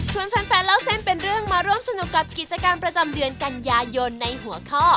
แฟนเล่าเส้นเป็นเรื่องมาร่วมสนุกกับกิจกรรมประจำเดือนกันยายนในหัวข้อ